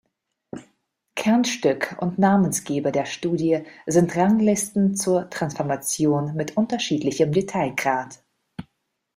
Kernstück und Namensgeber der Studie sind Ranglisten zur Transformation mit unterschiedlichem Detailgrad.